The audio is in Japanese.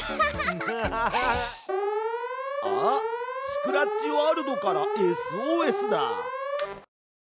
スクラッチワールドからＳＯＳだ！